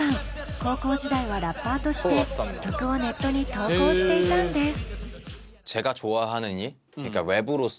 高校時代はラッパーとして曲をネットに投稿していたんです。